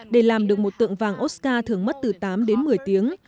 để làm được một tượng vàng oscar thường mất từ tám đến một mươi tiếng